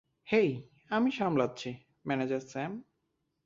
হেই, আমি সামলাচ্ছি, manager Sam.